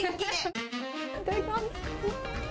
いただきます。